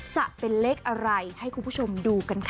จะเป็นเลขอะไรให้คุณผู้ชมดูกันค่ะ